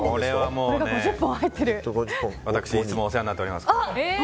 私、いつもお世話になっております。